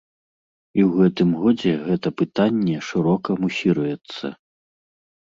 І ў гэтым годзе гэта пытанне шырока мусіруецца.